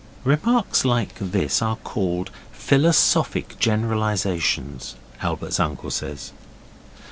(Remarks like this are called philosophic generalizations, Albert's uncle says.)